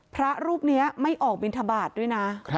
พระรูปนี้ไม่ออกบินทบาทด้วยนะ